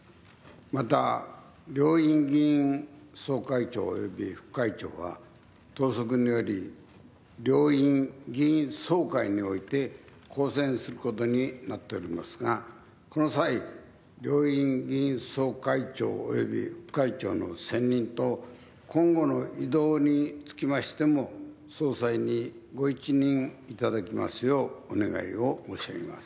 また、両院議員総会長および副会長は党則により両院議員総会において公選することになっておりますがこの際両院議員総会長および副会長の選任と今後の異動につきましても、総裁に御一任いただきますようお願いを申し上げます。